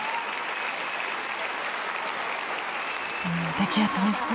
抱き合ってますね。